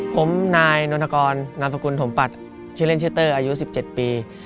ผมนายนนทกรนามสกุลถมปัตย์ชื่อเล่นชื่อเตอร์อายุ๑๗ปี